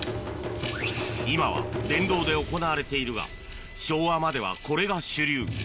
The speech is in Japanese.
今は電動で行われているが昭和まではこれが主流